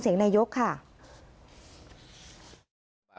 เสียงนายกค่ะ